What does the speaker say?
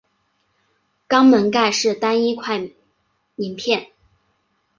肛门盖是单一块鳞片。